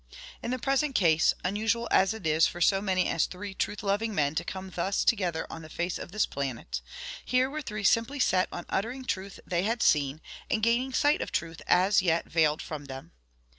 In the present case, unusual as it is for so many as three truth loving men to come thus together on the face of this planet, here were three simply set on uttering truth they had seen, and gaining sight of truth as yet veiled from them.